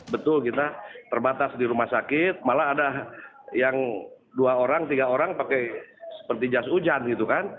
betul kita terbatas di rumah sakit malah ada yang dua orang tiga orang pakai seperti jas hujan gitu kan